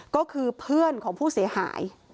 ก็คือเพื่อนของผู้เสียหาย